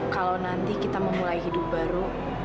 kalau nanti kita memulai hidup baru